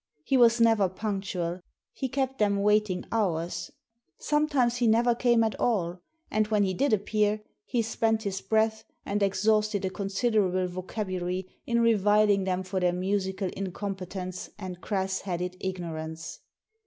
He was never punctual. He kept them waiting hours. Sometimes he never came at all. And when he did appear he spent Digitized by VjOOQIC 96 THE SEEN AND THE UNSEEN his breath, and exhausted a considerable vocaMl^r^ in reviling them for their musical incompetenc^and crass headed ignorance.